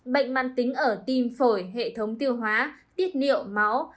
bệnh mạng tính ở tim phổi hệ thống tiêu hóa tiết niệu máu